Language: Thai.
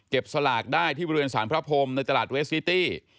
สลากได้ที่บริเวณสารพระพรมในตลาดเวสซิตี้